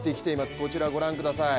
こちら、ご覧ください。